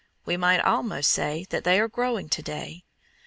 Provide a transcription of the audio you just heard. We might almost say that they are growing to day.